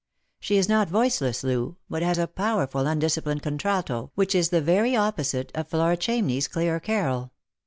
She i3 not voiceless, Loo, but has a powerful undisciplined contralto, which is the very opposite of Flora Ohamney's clear carol.